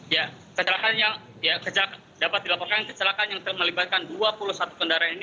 ya kecelakaan yang dapat dilaporkan kecelakaan yang melibatkan dua puluh satu kendaraan ini